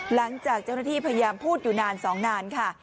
หลังจากเจ้าหน้าที่พยายามพูดอยู่นาน๒นานค่ะ